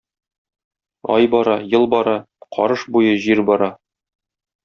Ай бара, ел бара, карыш буе җир бара.